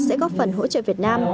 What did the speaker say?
sẽ góp phần hỗ trợ việt nam